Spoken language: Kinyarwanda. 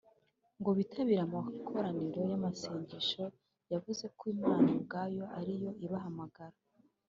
ngo bitabire amakoraniro y’amasengesho. yavuze ko imana ubwayo ariyo ibahamagara.